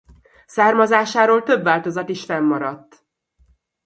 Származásáról több változat is fennmaradt.